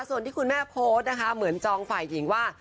ส่วนที่คุณแม่โพสต์นะคะเหมือนจองฝ่ายหญิงว่า